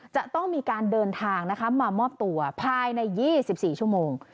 จะต้องมีการเดินทางมามอบตัวภายใน๒๔ชั่วโมง